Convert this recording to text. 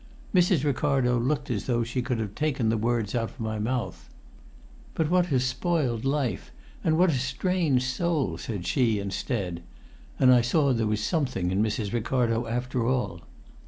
Mrs. Ricardo looked as though she could have taken the words out of my mouth. "But what a spoilt life, and what a strange soul!" said she, instead; and I saw there was something in Mrs. Ricardo, after all.